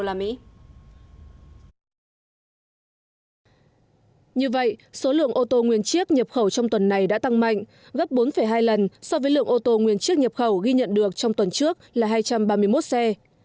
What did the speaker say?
như vậy số lượng ô tô nguyên chiếc nhập khẩu trong tuần này đã tăng mạnh gấp bốn hai lần so với lượng ô tô nguyên chiếc nhập khẩu ghi nhận được trong tuần trước là hai trăm ba mươi một xe